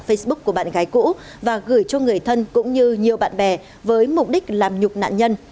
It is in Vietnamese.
facebook của bạn gái cũ và gửi cho người thân cũng như nhiều bạn bè với mục đích làm nhục nạn nhân